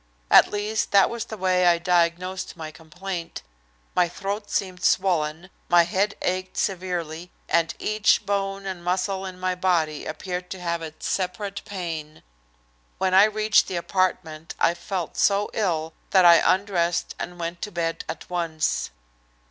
At least that was the way I diagnosed my complaint. My throat seemed swollen, my head ached severely, and each bone and muscle in my body appeared to have its separate pain. When I reached the apartment I felt so ill that I undressed and went to bed at once.